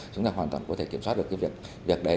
chúng ta hoàn toàn có thể kiểm soát được cái việc việc đấy